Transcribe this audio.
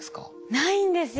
ないんですよ。